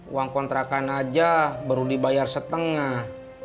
uang kontrakan aja baru dibayar setengah